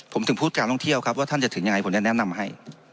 ผมถึงพูดการท่องเที่ยวครับว่าท่านจะถึงยังไงผมจะแนะนำให้